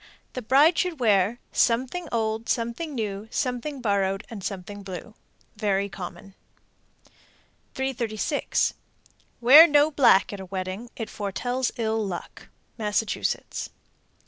The bride should wear Something old, Something new, Something borrowed, And something blue. Very common. 336. Wear no black at a wedding; it foretells ill luck. _Massachusetts.